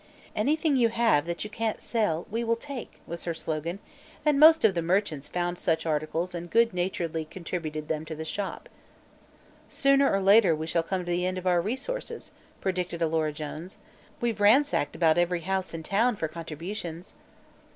"Anything you have that you can't sell, we will take," was her slogan, and most of the merchants found such articles and good naturedly contributed them to the Shop. "Sooner or later we shall come to the end of our resources," predicted Alora Jones. "We've ransacked about every house in town for contributions."